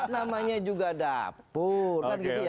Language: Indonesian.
namanya juga dapur